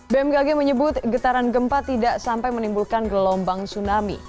bmkg menyebut getaran gempa tidak sampai menimbulkan gelombang tsunami